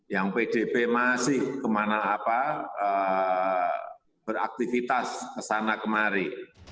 yang pdb masih kemana apa beraktivitas kesana kemari